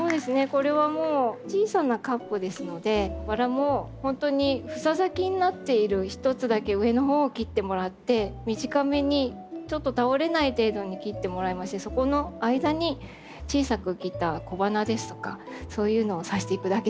これはもう小さなカップですのでバラも本当に房咲きになっている一つだけ上のほうを切ってもらって短めにちょっと倒れない程度に切ってもらいましてそこの間に小さく切った小花ですとかそういうのを挿していくだけです。